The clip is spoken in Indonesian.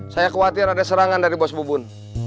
saya khawatir ada serangan dari bos bubun